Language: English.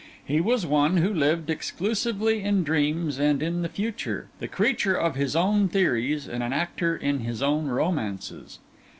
He was one who lived exclusively in dreams and in the future: the creature of his own theories, and an actor in his own romances.